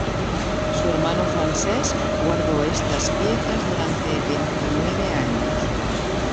Su hermano Francesc guardó estas piezas durante veintinueve años.